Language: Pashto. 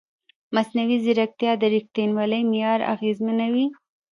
مصنوعي ځیرکتیا د ریښتینولۍ معیار اغېزمنوي.